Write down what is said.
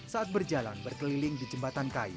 saat berjalan berkeliling di jembatan kayu